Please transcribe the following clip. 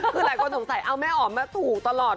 คุณผู้ชมร้วมสงสัยเอาแม่อองมาถูกตลอด